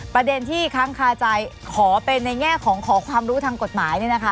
ประเด็นที่ค้างคาใจขอเป็นในแง่ของขอความรู้ทางกฎหมาย